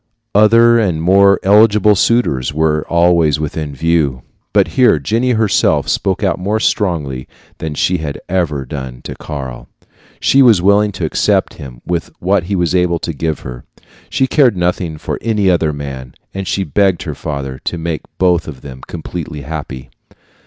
Other and more eligible suitors were always within view. But here Jenny herself spoke out more strongly than she had ever done to Karl. She was willing to accept him with what he was able to give her. She cared nothing for any other man, and she begged her father to make both of them completely happy.